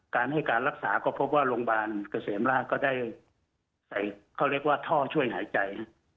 การให้การรักษาก็พบว่าโรงพยาบาลเกษมราชก็ได้ใส่เขาเรียกว่าท่อช่วยหายใจ